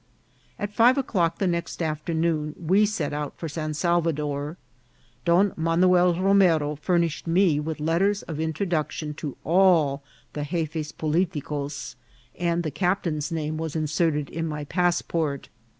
' AT five o'clock the next afternoon we set out for San Salvador. Don Manuel Romero furnished me with let ters of introduction to all the Gefes Politicos, and the captain's name was inserted in my passport.